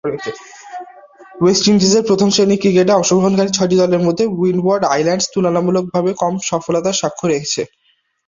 West ইন্ডিজের প্রথম-শ্রেণীর ক্রিকেটে অংশগ্রহণকারী ছয়টি দলের মধ্যে উইন্ডওয়ার্ড আইল্যান্ডস তুলনামূলকভাবে কম সফলতার স্বাক্ষর রেখেছে।